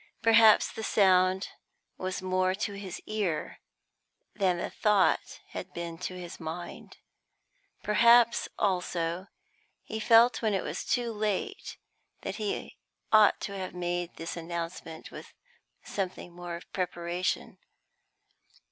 Perhaps the sound was more to his ear than the thought had been to his mind. Perhaps, also, he felt when it was too late that he ought to have made this announcement with something more of preparation.